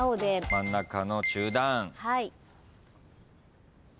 真ん中の中段。